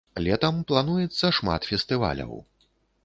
Летам плануецца шмат фестываляў.